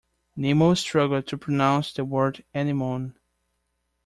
Nemo struggled to pronounce the word Anemone.